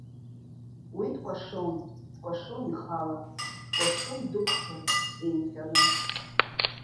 Уи дкәашон, дкәашон ихала, дкәашон дықәԥыр, еинҟьаны.